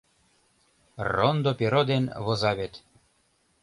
Рондо перо ден воза вет.